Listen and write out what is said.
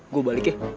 gue balik ya